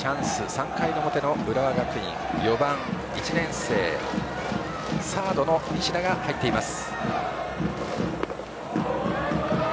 ３回の表の浦和学院４番、１年生サードの西田が入っています。